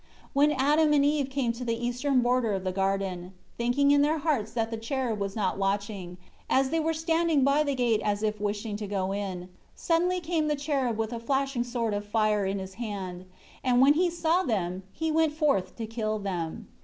4 When Adam and Eve came to the eastern border of the garden thinking in their hearts that the cherub was not watching as they were standing by the gate as if wishing to go in, suddenly came the cherub with a flashing sword of fire in his hand; and when he saw them, he went forth to kill them.